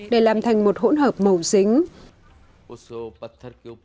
để làm thành một hỗn hợp màu dính